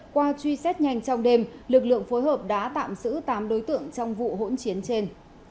qua truy xét nhanh trong đêm lực lượng phối hợp đã tạm giữ tám đối tượng trong vụ hỗn chiến trên